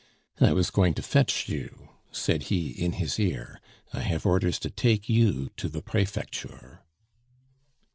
"I was going to fetch you," said he in his ear. "I have orders to take you to the Prefecture."